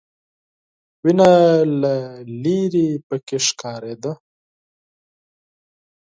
وینه له ليرې پکې ښکارېده.